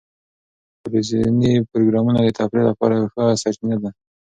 ټلویزیوني پروګرامونه د تفریح لپاره یوه ښه سرچینه ده.